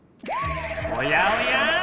おやおや？